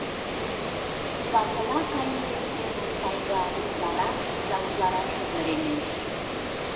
Умбакыла кайыме семын тайга утларак да утларак шыгыремеш.